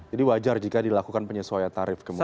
wajar jika dilakukan penyesuaian tarif kemudian